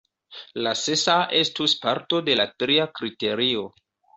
La sesa estus parto de la tria kriterio.